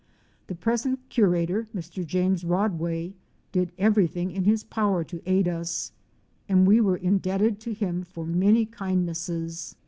The present Curator, Mr. James Rodway, did everything in his power to aid us, and we are in debted to him for many kind nesses.